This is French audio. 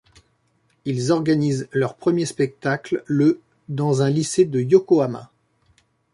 Ils organisent leur premier spectacle le dans un lycée de Yokohama.